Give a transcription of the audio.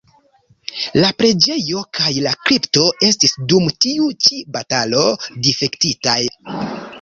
La preĝejo kaj la kripto estis dum tiu ĉi batalo difektitaj.